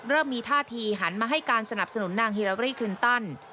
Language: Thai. มีท่าทีหันมาให้การสนับสนุนนางฮิลารี่คลินตัน